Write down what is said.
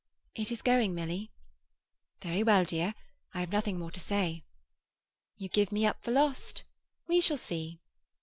"It is going, Milly." "Very well, dear. I have nothing more to say." "You give me up for lost. We shall see."